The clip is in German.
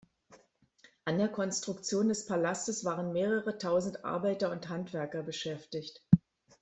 An der Konstruktion des Palastes waren mehrere Tausend Arbeiter und Handwerker beschäftigt.